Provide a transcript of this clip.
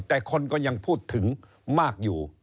แต่คนก็ยังพูดถึงมากอยู่